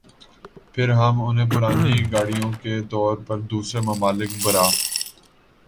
پھر ہم انہیں پرانی گاڑیوں کے طور پر دوسرے ممالک برآ